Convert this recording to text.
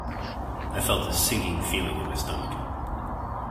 I felt a sinking feeling in my stomach.